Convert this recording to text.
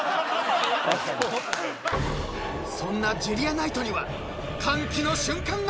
［そんなジュリアナイトには歓喜の瞬間が］